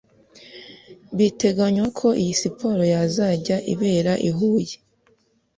Biteganywa ko iyi siporo yazajya ibera i Huye